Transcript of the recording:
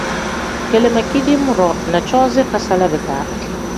Kele ma kidiim-ro na coozi ikasala bidaa.